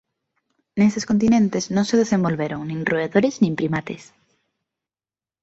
Nestes continentes non se desenvolveron nin roedores nin primates.